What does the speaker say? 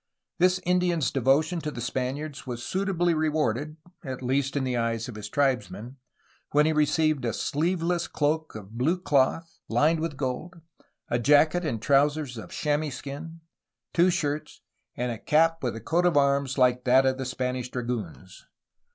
This Indian's devotion to the Spaniards was suitably rewarded, at least in the eyes of his tribesmen, when he received a sleeveless cloak of blue cloth, lined with gold, a jacket and trousers of chamois skin, two shirts, and a cap with a coat of arms like that of the Spanish dragoons.